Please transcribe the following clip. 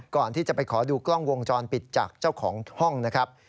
ก่อนที่จะไปขอดูกล้องวงจรปิดจากเจ้าของห้องนะครับ